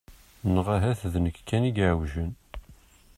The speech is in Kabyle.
Neɣ ahat d nekk kan i iɛewjen?